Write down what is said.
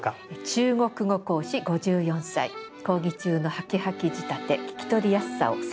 「中国語講師５４歳講義中のハキハキ仕立て聞き取りやすさを添えて」。